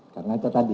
karena itu tadi